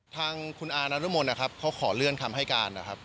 ทางคุณอานานุมูลเขาขอเลื่อนคำให้การ